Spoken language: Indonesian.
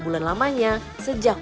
bulan lamanya sejak